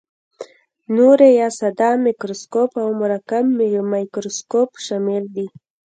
نوري یا ساده مایکروسکوپ او مرکب مایکروسکوپ شامل دي.